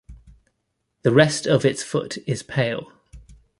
The rest of its foot is pale.